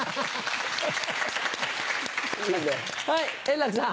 はい円楽さん。